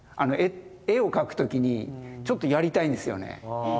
絵を描く時にちょっとやりたいんですよね。